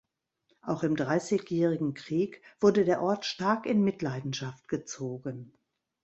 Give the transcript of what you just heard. Auch im Dreißigjährigen Krieg wurde der Ort stark in Mitleidenschaft gezogen.